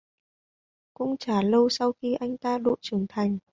Cũng chả lâu sau khi anh tạ độ trưởng thành